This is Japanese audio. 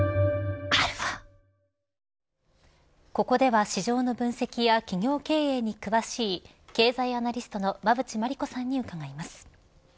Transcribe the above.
ここでは市場の分析や企業経営に詳しい経済アナリストの馬渕磨理子さんに伺います。